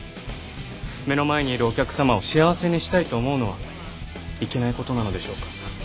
目の前にいるお客様を幸せにしたいと思うことはいけないことなのでしょうか？